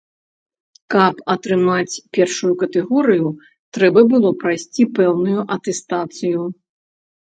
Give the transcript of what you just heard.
Каб атрымаць першую катэгорыю, трэба было прайсці пэўную атэстацыю.